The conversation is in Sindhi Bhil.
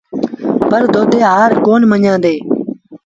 پر دودي هآر ڪونا مڃيآندي۔